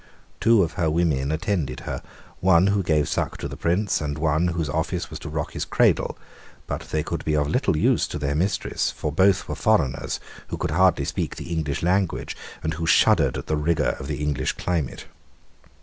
Two of her women attended her, one who gave suck to the Prince, and one whose office was to rock his cradle; but they could be of little use to their mistress; for both were foreigners who could hardly speak the English language, and who shuddered at the rigour of the English climate.